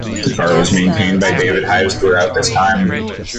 The car was maintained by David Hives throughout this time.